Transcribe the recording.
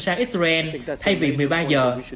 sang israel hay việc một mươi ba giờ